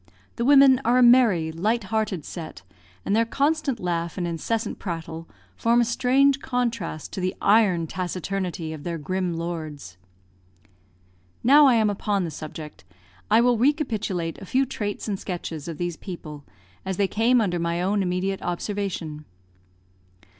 The women are a merry, light hearted set, and their constant laugh and incessant prattle form a strange contrast to the iron taciturnity of their grim lords. Now I am upon the subject, I will recapitulate a few traits and sketches of these people, as they came under my own immediate observation.